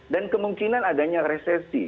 dan kemungkinan adanya resesi